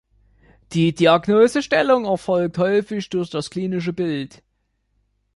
Die Diagnosestellung erfolgt häufig durch das klinische Bild.